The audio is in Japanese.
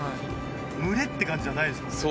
群れって感じじゃないですもんね